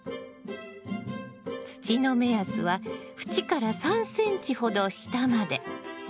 土の目安は縁から３ｃｍほど下まで。